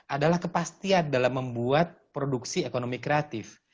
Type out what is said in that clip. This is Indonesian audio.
adalah kepastian dalam membuat produksi ekonomi kreatif